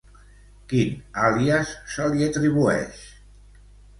Quin àlies se li atribueix?